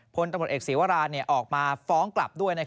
พลตำรวจเอกศีวราออกมาฟ้องกลับด้วย